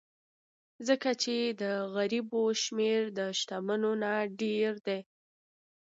ځکه چې د غریبو شمېر د شتمنو نه ډېر دی.